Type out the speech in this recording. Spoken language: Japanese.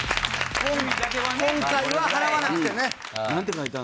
今回は払わなくてね。